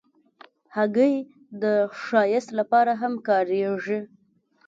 هګۍ د ښایست لپاره هم کارېږي.